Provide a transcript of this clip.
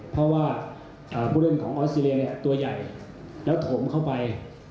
เพราะว่าผู้เล่นของออสเตรเลียตัวใหญ่แล้วถมเข้าไป